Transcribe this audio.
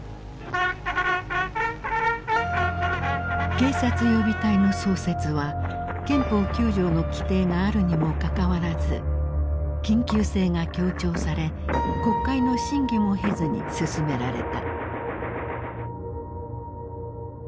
警察予備隊の創設は憲法９条の規定があるにもかかわらず緊急性が強調され国会の審議も経ずに進められた。